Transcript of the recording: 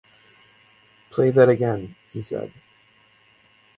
'Play that again,' he said.